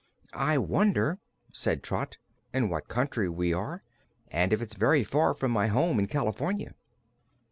"I wonder," said Trot, "in what country we are, and if it's very far from my home in California."